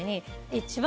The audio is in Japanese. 一番。